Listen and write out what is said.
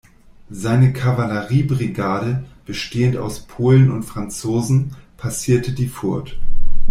Seine Kavalleriebrigade, bestehend aus Polen und Franzosen, passierte die Furt.